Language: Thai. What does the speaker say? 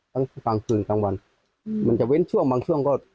กลางคืนกลางวันมันจะเว้นช่วงบางช่วงก็